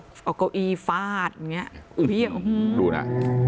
แกะเก้าอี้ฝาดดูนะ